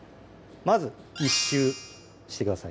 まず１周してください